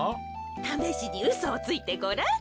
ためしにうそをついてごらん。